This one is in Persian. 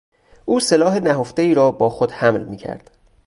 او سلاح نهفتهای را با خود حمل میکرد.